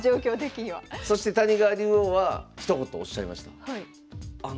そして谷川竜王はひと言おっしゃいました。